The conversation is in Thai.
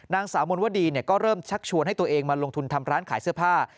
นางสาวมนวดีก็เริ่มชักชวนให้ตัวเองมาลงทุนทำร้านขายเสื้อผ้า